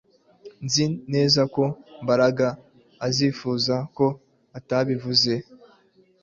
Nzi neza ko Mbaraga azifuza ko atabivuze